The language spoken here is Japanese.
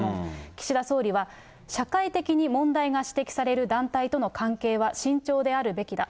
岸田総理は、社会的に問題が指摘される団体との関係は慎重であるべきだ。